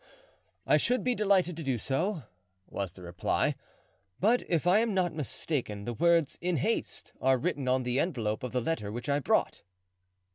"I should be delighted to do so," was the reply; "but if I am not mistaken, the words 'In haste,' are written on the envelope of the letter which I brought."